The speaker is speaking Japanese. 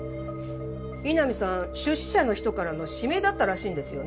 井波さん出資者の人からの指名だったらしいんですよね。